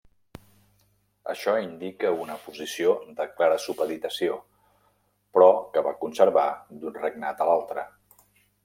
Això indica una posició de clara supeditació, però que va conservar d'un regnat a l'altra.